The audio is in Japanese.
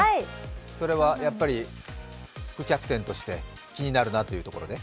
それは副キャプテンとして気になるなということで？